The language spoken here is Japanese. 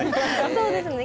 そうですね。